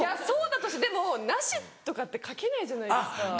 そうだとしてでも「なし」とかって書けないじゃないですか。